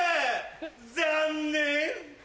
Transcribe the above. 残念！